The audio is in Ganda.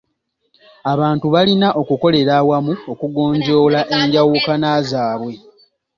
Abantu balina okukolera awamu okugonjoola enjawukana zaabwe.